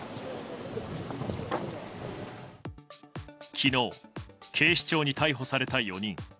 昨日、警視庁に逮捕された４人。